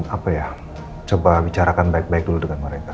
apa ya coba bicarakan baik baik dulu dengan mereka